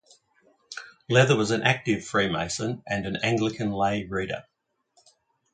Leather was an active freemason and an Anglican lay reader.